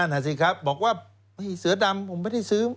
นั่นน่ะสิครับบอกว่าเสือดำผมไม่ได้ซื้อ